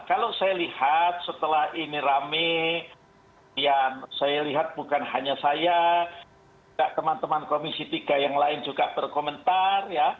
kalau saya lihat setelah ini rame ya saya lihat bukan hanya saya teman teman komisi tiga yang lain juga berkomentar